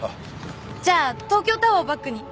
じゃあ東京タワーをバックに。